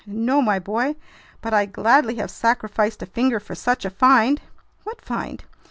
"No, my boy, but I'd gladly have sacrificed a finger for such a find!" "What find?"